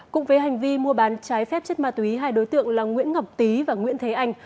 cũng với hành vi mua bán trái phép chất ma túy hai đối tượng là nguyễn ngọc tý và nguyễn thế anh